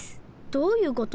どういうこと？